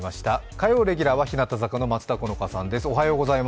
火曜レギュラーは日向坂の松田好花さんです。